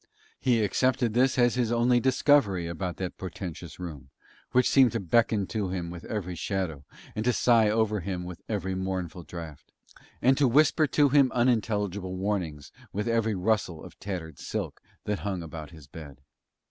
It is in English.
He accepted this as his only discovery about that portentous room which seemed to beckon to him with every shadow and to sigh over him with every mournful draught, and to whisper to him unintelligible warnings with every rustle of tattered silk that hung about his bed.